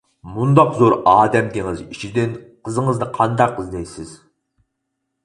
مۇنداق زور ئادەم دېڭىزى ئىچىدىن قىزىڭىزنى قانداق ئىزدەيسىز؟ !